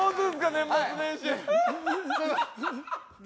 年末年始